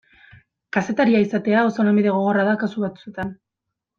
Kazetaria izatea oso lanbide gogorra da kasu batzuetan.